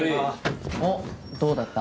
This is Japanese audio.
おっどうだった？